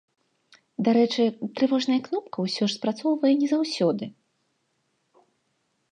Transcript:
Дарэчы, трывожная кнопка ўсё ж спрацоўвае не заўсёды.